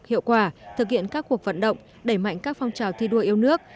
hiệu quả thực hiện các cuộc vận động đẩy mạnh các phong trào thi đua yêu nước